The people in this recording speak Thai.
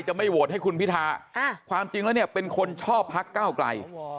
ไม่โหวตให้คุณพิธาความจริงแล้วเนี่ยเป็นคนชอบพักเก้าไกล